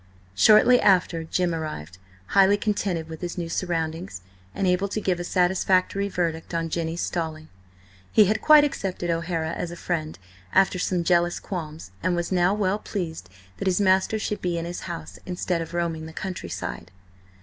Shortly after, Jim arrived, highly contented with his new surroundings, and able to give a satisfactory verdict on Jenny's stalling. He had quite accepted O'Hara as a friend, after some jealous qualms, and was now well pleased that his master should be in his house instead of roaming the countryside.